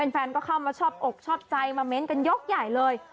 แฟนก็เข้ามาชอบอกชอบใจมาเม้นต์กันยกใหญ่เลย